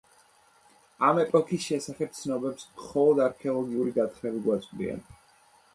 ამ ეპოქის შესახებ ცნობებს მხოლოდ არქეოლოგიური გათხრები გვაწვდიან.